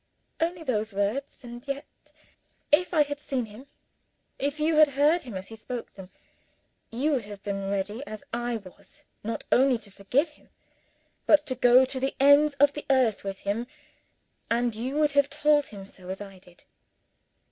Only those words! And yet if you had seen him, if you had heard him, as he spoke them you would have been ready as I was not only to forgive him but to go to the ends of the earth with him; and you would have told him so, as I did.